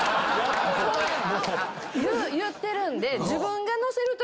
言ってるんで。